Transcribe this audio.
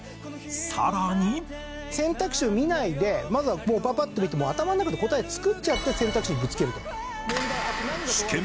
さらに選択肢を見ないでまずはもうパパッと見て頭の中で答え作っちゃって選択肢にぶつけると。